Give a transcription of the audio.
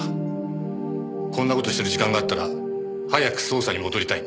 こんな事してる時間があったら早く捜査に戻りたいんで。